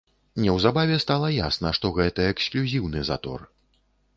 Неўзабаве стала ясна, што гэта эксклюзіўны затор.